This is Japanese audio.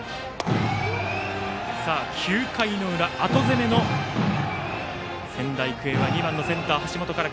９回の裏、後攻めの仙台育英は２番のセンター、橋本から。